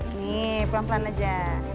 nih pelan pelan aja